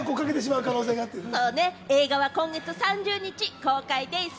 映画は今月３０日公開です。